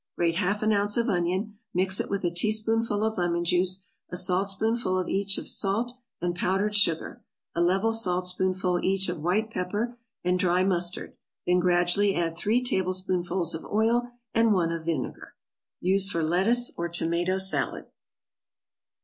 = Grate half an ounce of onion, mix it with a teaspoonful of lemon juice, a saltspoonful each of salt and powdered sugar, a level saltspoonful each of white pepper, and dry mustard, then gradually add three tablespoonfuls of oil, and one of vinegar. Use for lettuce or tomato salad.